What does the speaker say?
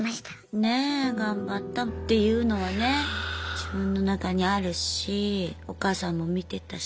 ねえ。頑張ったっていうのはね自分の中にあるしお母さんも見てたし。